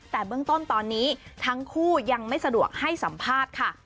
แต่เบื้องต้นตอนนี้ทั้งคู่ยังไม่สะดวกให้สัมภาษณ์ค่ะ